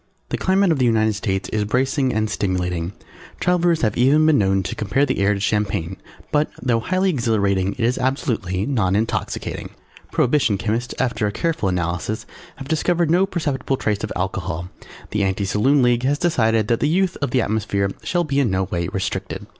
The climate of the United States is bracing and stimulating; travellers have even been known to compare the air to champagne but, though highly exhilarating it is absolutely non intoxicating. Prohibition Chemists after a careful analysis having discovered no perceptible trace of Alcohol, The Anti Saloon League has decided that the use of the atmosphere shall be in no way restricted.